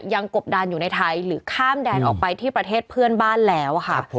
กบดานอยู่ในไทยหรือข้ามแดนออกไปที่ประเทศเพื่อนบ้านแล้วค่ะ